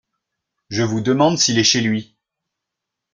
Je vous demande s’il est chez lui.